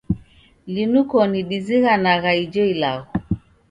Linu koni dizighanagha ijo ilagho.